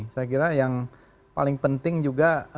saya kira yang paling penting juga